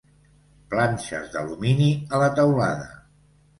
Planxes d'alumini a la teulada.